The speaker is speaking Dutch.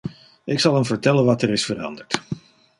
Ik zal hem vertellen wat er is veranderd.